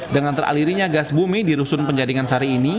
dengan teralirinya gas bumi di rusun penjaringan sari ini